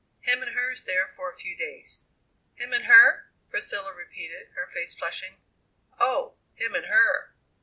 Him and her's there for a few days." "Him and her!" Priscilla repeated, her face flushing. "Oh, him and her!"